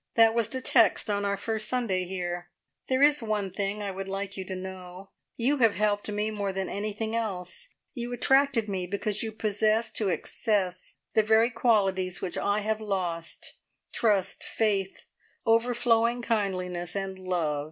That was the text on our first Sunday here. There is one thing I would like you to know. You have helped me more than anything else. You attracted me because you possess to excess the very qualities which I have lost trust, faith, overflowing kindliness and love.